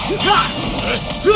aku akan mencari